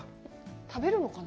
食べるのかな？